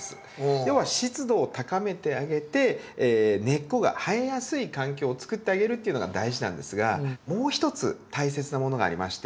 要は湿度を高めてあげて根っこが生えやすい環境をつくってあげるっていうのが大事なんですがもう一つ大切なものがありまして。